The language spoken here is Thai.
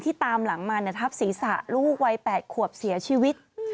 ตามหลังมาทับศีรษะลูกวัย๘ขวบเสียชีวิต